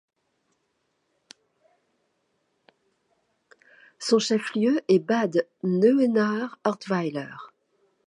Son chef-lieu est Bad Neuenahr-Ahrweiler.